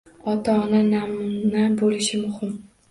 Ota-ona namuna bo'lishi muhim.